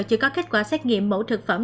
chưa có kết quả xét nghiệm mẫu thực phẩm